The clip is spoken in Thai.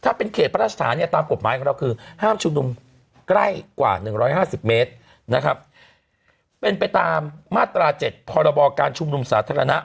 ของเราคือห้ามชุมนุมใกล้กว่า๑๕๐เมตรนะครับเป็นไปตามมาตรา๗พลการชุมนุมสาธารณะ